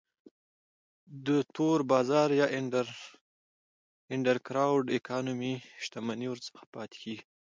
د تور بازار Underground Economy شتمنۍ ورڅخه پاتې کیږي.